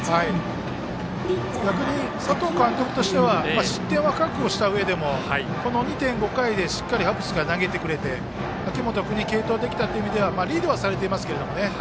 逆に佐藤監督としては失点は覚悟したうえでも２点、５回でしっかりハッブスが投げてくれて秋本君に継投できたという意味ではリードはされてますけれどもね